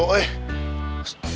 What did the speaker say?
aku mulai bersemangat